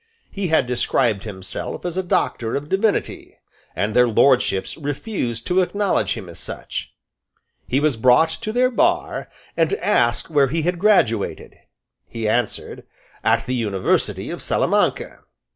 He had described himself as a Doctor of Divinity; and their lordships refused to acknowledge him as such. He was brought to their bar, and asked where he had graduated. He answered, "At the university of Salamanca."